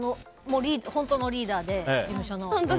本当のリーダーで、事務所の。